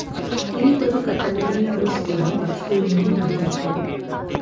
তিনি প্রথম কাতালোনিয়া ও স্পেনে বাষ্পীয় ইঞ্জিন আমদানি করেন।